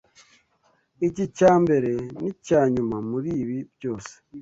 iki cyambere nicyanyuma muri ibi byose